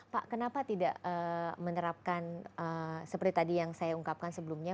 pak kenapa tidak menerapkan seperti tadi yang saya ungkapkan sebelumnya